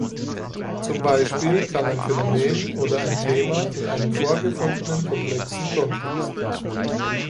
Zum Beispiel kann ein Phänomen oder ein Thema in einem vorgefundenen komplexen Kontext.